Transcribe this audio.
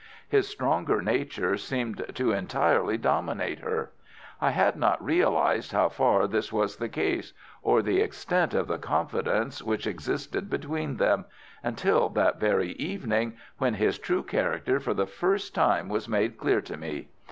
His stronger nature seemed to entirely dominate her. I had not realized how far this was the case, or the extent of the confidence which existed between them, until that very evening when his true character for the first time was made clear to me.